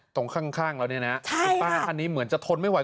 ตรงข้างเราเนี่ยนะคุณป้าท่านนี้เหมือนจะทนไม่ไห